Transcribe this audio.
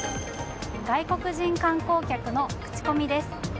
外国人観光客の口コミです。